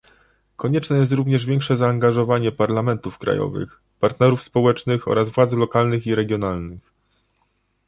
Konieczne jest również większe zaangażowanie parlamentów krajowych, partnerów społecznych oraz władz lokalnych i regionalnych